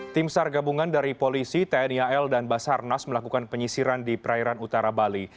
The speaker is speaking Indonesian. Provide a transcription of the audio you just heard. tim sar gabungan dari polisi tni al dan basarnas melakukan penyisiran di perairan utara bali